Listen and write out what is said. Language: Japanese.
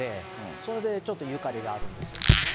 それでちょっとゆかりがあるんです。